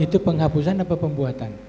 itu penghapusan apa pembuatan